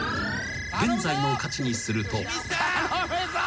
［現在の価値にすると］